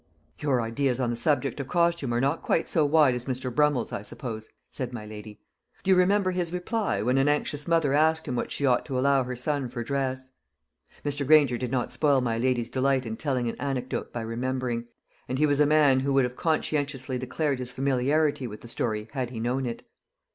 "Your ideas on the subject of costume are not quite so wide as Mr. Brummel's, I suppose," said my lady. "Do you remember his reply, when an anxious mother asked him what she ought to allow her son for dress?" Mr. Granger did not spoil my lady's delight in telling an anecdote by remembering; and he was a man who would have conscientiously declared his familiarity with the story, had he known it.